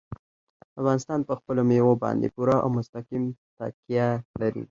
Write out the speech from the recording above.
افغانستان په خپلو مېوو باندې پوره او مستقیمه تکیه لري.